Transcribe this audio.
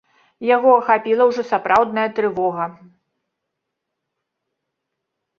Яго ахапіла ўжо сапраўдная трывога.